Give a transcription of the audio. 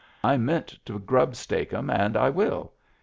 " I meant to grubstake *em, and I will.